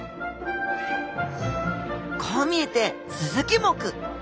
こう見えてスズキ目。